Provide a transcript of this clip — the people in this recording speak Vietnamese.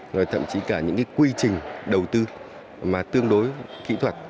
rồi thậm chí cả những quy trình đầu tư mà tương đối kỹ thuật